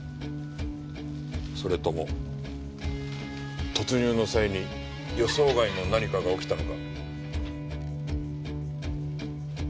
それとも突入の際に予想外の何かが起きたのか。